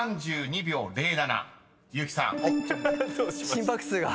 心拍数が。